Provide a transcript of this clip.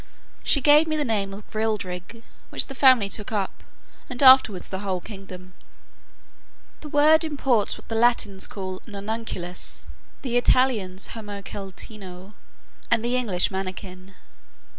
She gave me the name of Grildrig, which the family took up, and afterwards the whole kingdom. The word imports what the Latins call nanunculus, the Italians homunceletino, and the English mannikin.